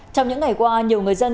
trong những ngày qua nhiều người dân